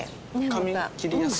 噛み切りやすい。